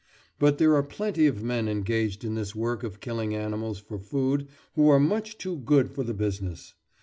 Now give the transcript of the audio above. But there are plenty of men engaged in this work of killing animals for food who are much too good for the business.